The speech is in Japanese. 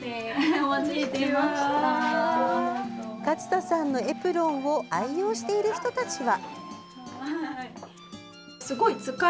勝田さんのエプロンを愛用している人たちは。